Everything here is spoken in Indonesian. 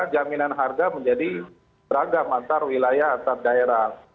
jaminan harga menjadi beragam antar wilayah antar daerah